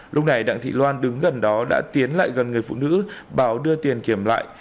lúc này đặng thị loan đứng gần đó đã tiến lại gần người phụ nữ bảo đưa tiền kiểm lại